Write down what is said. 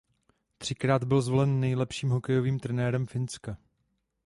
Třikrát byl zvolen nejlepším hokejovým trenérem Finska.